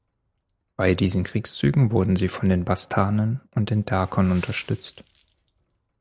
Bei diesen Kriegszügen wurden sie von den Bastarnen und den Dakern unterstützt.